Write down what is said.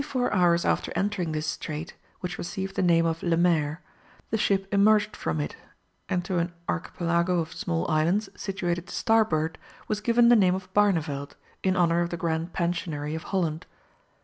] Twenty four hours after entering this strait, which received the name of Lemaire, the ship emerged from it, and to an archipelago of small islands situated to starboard was given the name of Barneveldt, in honour of the Grand Pensionary of Holland.